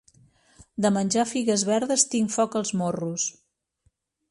De menjar figues verdes tinc foc als morros.